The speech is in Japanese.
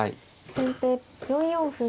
先手４四歩。